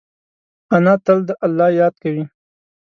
انا تل د الله یاد کوي